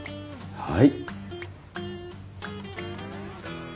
はい。